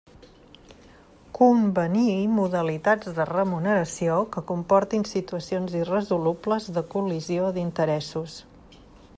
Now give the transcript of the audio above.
Convenir modalitats de remuneració que comportin situacions irresolubles de col·lisió d'interessos.